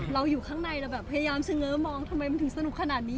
เราอยู่ข้างในเราไปย้ามเชื้อมองทำไมถึงสนุกขนาดนี้